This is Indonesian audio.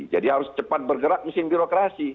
jadi harus cepat bergerak mesin birokrasi